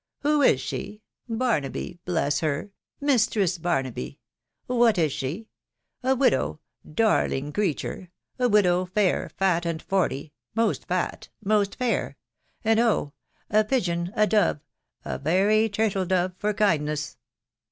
" Who is she ?.... Barnaby !.... Bless her !— Mistress Barnaby !.... What is she ?.... A widow «... Darling creature !.... a widow, fair, fat, and forty .... most fat !— most fair !.... and, oh ! a pigeon, a dove, — a very turtle dove for kindness